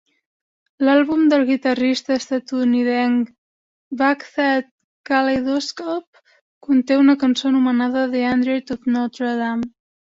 L'àlbum del guitarrista estatunidenc Buckethead "Kaleidoscalp" conté una cançó anomenada "The Android of Notre Dame".